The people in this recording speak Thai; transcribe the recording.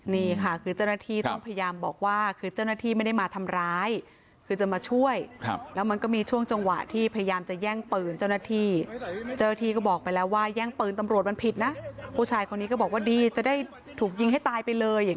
นี่ค่ะคือเจ้าหน้าที่ต้องพยายามบอกว่าคือเจ้าหน้าที่ไม่ได้มาทำร้ายคือจะมาช่วยแล้วมันก็มีช่วงจังหวะที่พยายามจะแย่งปืนเจ้าหน้าที่เจ้าหน้าที่ก็บอกไปแล้วว่าแย่งปืนตำรวจมันผิดนะผู้ชายคนนี้ก็บอกว่าดีจะได้ถูกยิงให้ตายไปเลยอย่าง